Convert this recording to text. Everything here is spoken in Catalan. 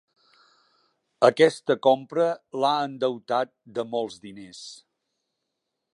Aquesta compra l'ha endeutat de molts diners.